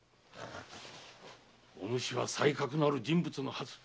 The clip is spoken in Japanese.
お主は才覚のある人物のはず。